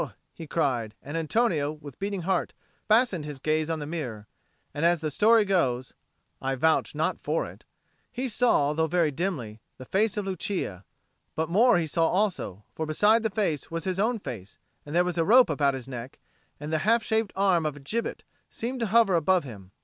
he cried; and Antonio, with beating heart, fastened his gaze on the mirror. And as the story goes (I vouch not for it) he saw, though very dimly, the face of Lucia; but more he saw also; for beside the face was his own face, and there was a rope about his neck, and the half shaped arm of a gibbet seemed to hover above him.